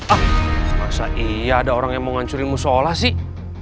ah masa iya ada orang yang mau ngajurin mushollah sih